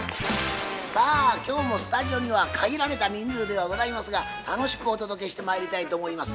さあ今日もスタジオには限られた人数ではございますが楽しくお届けしてまいりたいと思います。